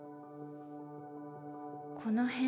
この辺。